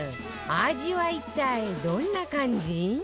味は一体どんな感じ？